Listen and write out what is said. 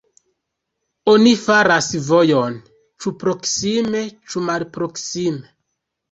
Oni faras vojon, ĉu proksime ĉu malproksime.